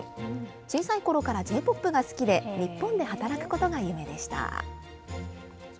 小さいころからＪ−ＰＯＰが好きで、日本で働くことが夢でした。